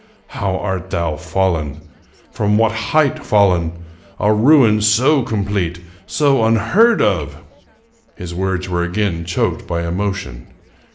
how art thou fallen! From what height fallen! A ruin so complete, — so un heard of! " His words were again choked by emotion.